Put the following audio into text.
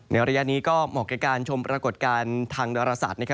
ระยะนี้ก็เหมาะกับการชมปรากฏการณ์ทางดาราศาสตร์